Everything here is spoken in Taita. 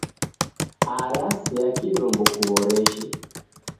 Ara sea kidombo kuhoreshe